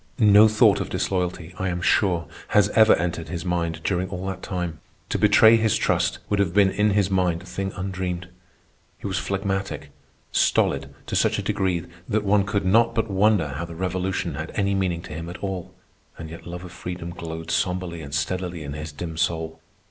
No thought of disloyalty, I am sure, has ever entered his mind during all that time. To betray his trust would have been in his mind a thing undreamed. He was phlegmatic, stolid to such a degree that one could not but wonder how the Revolution had any meaning to him at all. And yet love of freedom glowed sombrely and steadily in his dim soul.